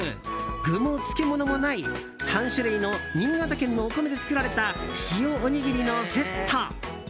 具も漬物もない３種類の新潟県のお米で作られた塩おにぎりのセット。